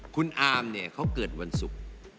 คุณอามเนี่ยเขาเกิดวันศุกร์